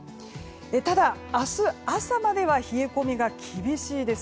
ただ、明日朝までは冷え込みが厳しいです。